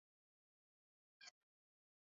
Alipo kuwa na umri wa miaka ishirini na tatu